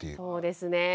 そうですね。